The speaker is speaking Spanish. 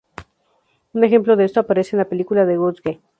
Un ejemplo de esto aparece en la película "The Grudge".